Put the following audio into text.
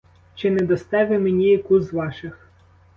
Чи не дасте ви мені яку з ваших?